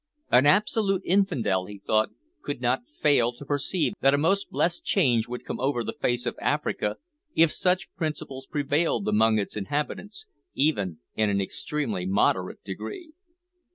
An absolute infidel, he thought, could not fail to perceive that a most blessed change would come over the face of Africa if such principles prevailed among its inhabitants, even in an extremely moderate degree.